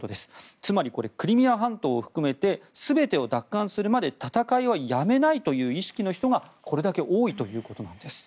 つまり、クリミア半島を含めて全てを奪還するまで戦いはやめないという意識の人がこれだけ多いということなんです。